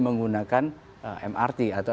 menggunakan mrt atau